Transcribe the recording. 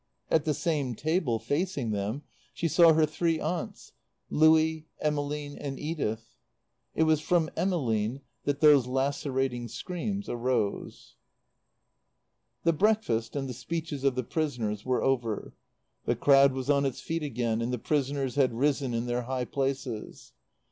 At the same table, facing them, she saw her three aunts, Louie, Emmeline and Edith. It was from Emmeline that those lacerating screams arose. The breakfast and the speeches of the prisoners were over. The crowd was on its feet again, and the prisoners had risen in their high places.